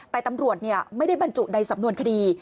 แต่ตำรวจไม่ได้บรรจุในสำนวนคดี